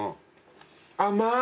甘い。